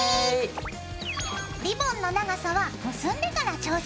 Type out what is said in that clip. リボンの長さは結んでから調節してね。